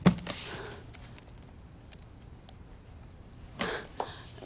あっ。